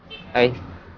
mas mas udah mas